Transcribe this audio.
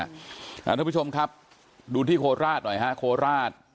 สำหรับทุกผู้ชมครับดูที่โคลาสหน่อยฮะโคลาส